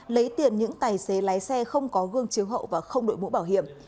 lấy tiền những tài xế lái xe không có gương chiếu hậu và không đội mũ bảo hiểm